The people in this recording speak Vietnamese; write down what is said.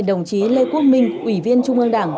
đồng chí lê quốc minh ủy viên trung ương đảng